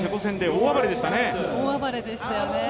大暴れでしたよね。